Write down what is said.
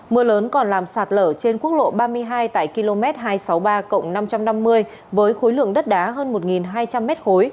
mưa lớn còn làm sạt lở trên quốc lộ ba mươi hai tại km hai trăm sáu mươi ba năm trăm năm mươi với khối lượng đất đá hơn một hai trăm linh m ba